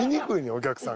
お客さんが。